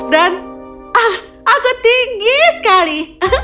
dan aku tinggi sekali